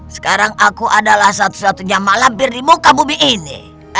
sekarang aku adalah satu satunya malampir di muka bumi ini